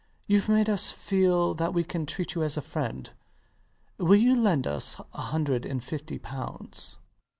Youve made us feel that we can treat you as a friend. Will you lend us a hundred and fifty pounds? RIDGEON. No.